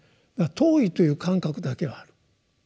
遠いという感覚だけはある。